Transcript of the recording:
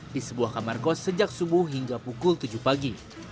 di sebuah kamarkos sejak subuh hingga pukul tujuh pagi